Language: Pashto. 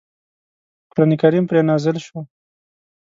قرآن کریم پرې نازل شو.